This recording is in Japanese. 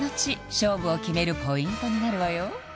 勝負を決めるポイントになるわよ